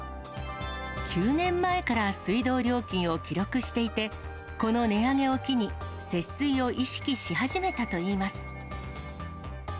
９年前から水道料金を記録していて、この値上げを機に、節水を意識し始めたといいます。